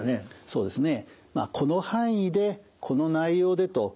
そうですね。